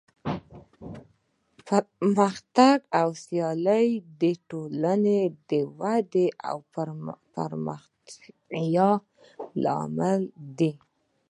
پرمختګ او سیالي د ټولنې د ودې او پرمختیا لامل دی.